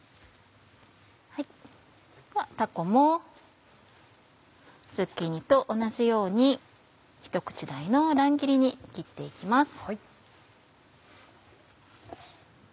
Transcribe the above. ではたこもズッキーニと同じようにひと口大の乱切りに切って行きます。